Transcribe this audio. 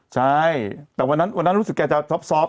ใช่แต่วันนั้นรู้สึกแกจะซอฟต์